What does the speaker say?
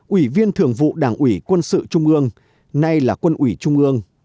ủy viên thường vụ đảng ủy quân sự trung ương nay là quân ủy trung ương